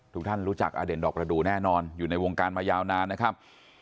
ท่านรู้จักอเด่นดอกระดูแน่นอนอยู่ในวงการมายาวนานนะครับ